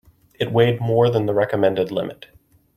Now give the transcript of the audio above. It weighed more than the recommended limit.